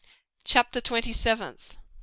CHAPTER TWENTY SEVENTH.